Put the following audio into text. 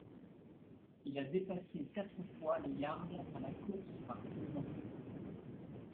Il a dépassé quatre fois les yards à la course par saison.